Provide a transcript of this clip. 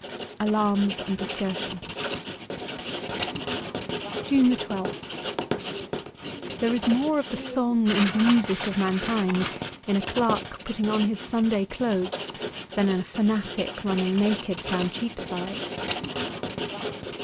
' Alarms and Discursions* i&o JUNE 1 2th THERE is more of the song and music of mankind in a clerk putting on his Sunday clothes than in a fanatic running naked down Cheapside.